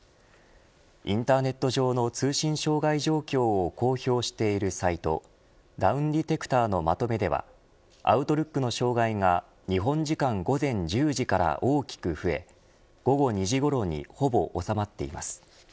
インターネット上の通信障害状況を公表しているサイトダウンディテクターのまとめではアウトルックの障害が日本時間午前１０時から大きく増え午後２時ごろにほぼ収まっています。